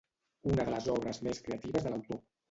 Una de les obres més creatives de l'autor.